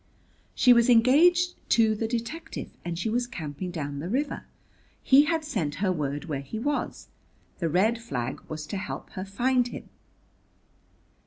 "She was engaged to the detective, and she was camping down the river. He had sent her word where he was. The red flag was to help her find him."